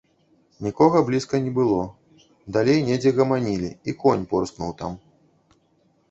Нікога блізка не было, далей недзе гаманілі, і конь порскнуў там.